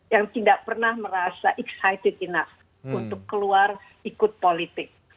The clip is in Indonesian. yang tidak pernah merasa excited enough untuk keluar ikut politik